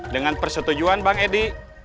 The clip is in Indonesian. dengan persetujuan bang edi